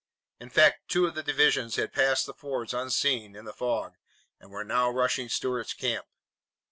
In fact, two of the divisions had passed the fords unseen in the fog and were now rushing Stuart's camp.